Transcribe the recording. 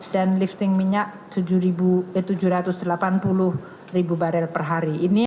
dan lifting minyak rp tujuh ratus delapan puluh per hari